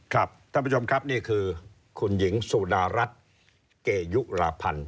ครับท่านผู้ชมครับนี่คือคุณหญิงสุดารัฐเกยุราพันธ์